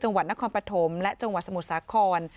จังหวัดนครปฐมและจังหวัดสมุทรสาคร